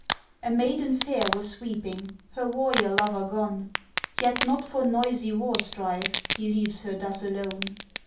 A maiden fair was weeping; Her warrior lover gone, Yet not for noisy war strife, He leaves her thus alone.